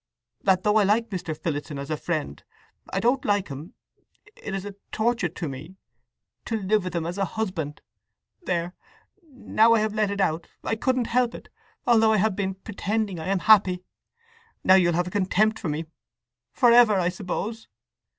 —that though I like Mr. Phillotson as a friend, I don't like him—it is a torture to me to—live with him as a husband!—There, now I have let it out—I couldn't help it, although I have been—pretending I am happy.—Now you'll have a contempt for me for ever, I suppose!"